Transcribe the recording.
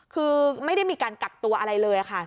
คือไม่ได้มีการกักตัวอะไรเลยค่ะ